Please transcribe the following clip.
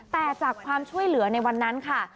แต่จากความช่วยเหลือในวันนั้นค่ะ